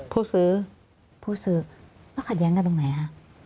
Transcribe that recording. ผู้ซื้อผู้ซื้อแล้วขัดแย้งกันตรงไหนฮะ